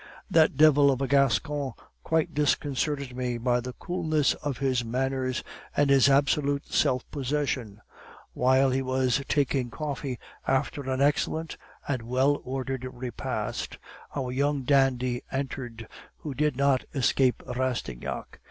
That devil of a Gascon quite disconcerted me by the coolness of his manners and his absolute self possession. While we were taking coffee after an excellent and well ordered repast, a young dandy entered, who did not escape Rastignac.